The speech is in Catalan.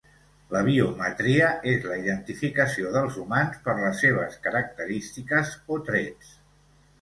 La biometria és la identificació dels humans per les seves característiques o trets.